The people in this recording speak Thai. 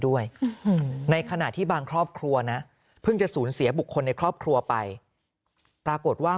ด้วยในขณะที่บางครอบครัวนะเพิ่งจะสูญเสียบุคคลในครอบครัวไปปรากฏว่า